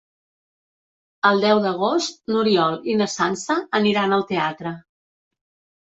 El deu d'agost n'Oriol i na Sança aniran al teatre.